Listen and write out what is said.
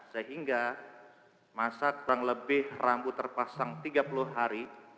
sehingga masak kurang lebih rambu terpasang tiga puluh hari